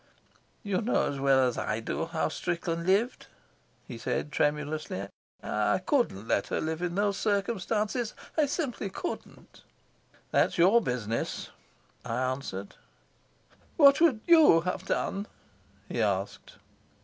"You know as well as I do how Strickland lived," he said tremulously. "I couldn't let her live in those circumstances I simply couldn't." "That's your business," I answered. "What would have done?" he asked.